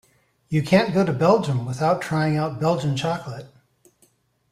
You can't go to Belgium without trying out Belgian chocolate.